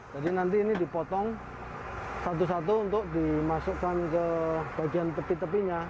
jadi nanti ini dipotong satu satu untuk dimasukkan ke bagian tepi tepinya